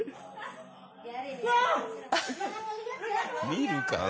見るから。